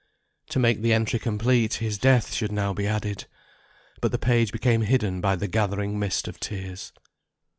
To make the entry complete, his death should now be added. But the page became hidden by the gathering mist of tears.